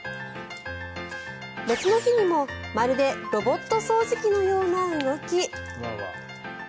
別の日にも、まるでロボット掃除機のような動き。